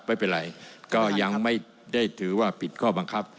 ไม่เป็นไรก็ยังไม่ได้ถือว่าผิดข้อบังคับ